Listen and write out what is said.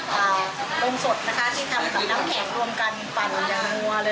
ฝั่งยางมัวเลยนะคะแล้วก็ใส่น้ำหวานลงไปหอมอร่อยมากค่ะข้างล่างก็จะเป็นสมมุมฟัง